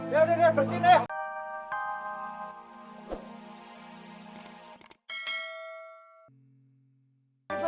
ya udah bersihin